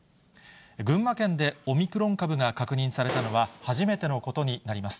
群馬県でオミクロン株が確認されたのは初めてのことになります。